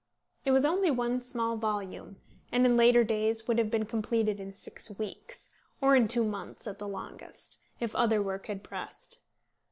It was only one small volume, and in later days would have been completed in six weeks, or in two months at the longest, if other work had pressed.